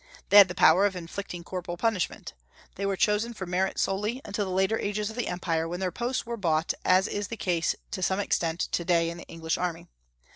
They had the power of inflicting corporal punishment. They were chosen for merit solely, until the later ages of the empire, when their posts were bought, as is the case to some extent to day in the English army.